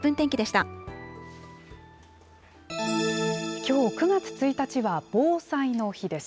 きょう９月１日は防災の日です。